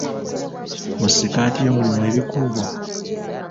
Mu ssikaati yo mulimu ebikuubo?